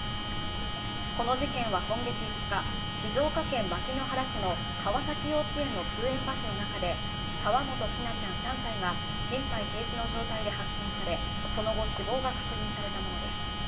この事件は今月５日、静岡県牧之原市の川崎幼稚園の通園バスの中で、河本千奈ちゃん３歳が心肺停止の状態で発見されその後、死亡が確認されたものです